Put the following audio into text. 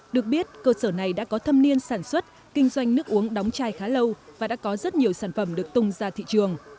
được biết cơ sở này đã có thâm niên sản xuất kinh doanh nước uống đóng chai khá lâu và đã có rất nhiều sản phẩm được tung ra thị trường